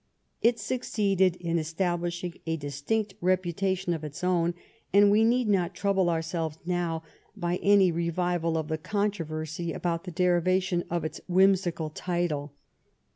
It succeeded in estab lishing a distinct reputation of its own, and we need not trouble ourselves now by any revival of the con troversy about the derivation of its whimsical title.